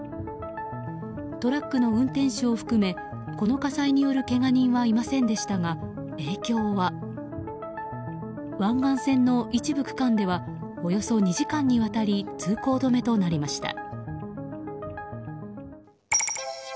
トラックの運転手を含めこの火災によるけが人はいませんでしたが影響は、湾岸線の一部区間ではおよそ２時間にわたり通行止めとなりました。